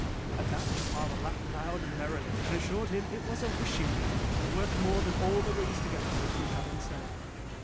At that the farmer laughed loud and merrily, and assured him it was a wishing ring, and worth more than all the rings together, which he had on sale.